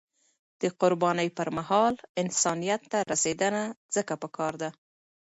د قربانی پر مهال، انسانیت ته رسیدنه ځکه پکار ده.